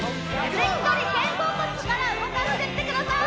しっかり肩甲骨から動かしてってください！